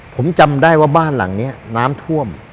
ผมจำได้ว่าบ้านหลังนี้น้ำท่วม